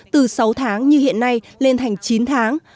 từ sáu tháng như hiện nay lên thành chín tháng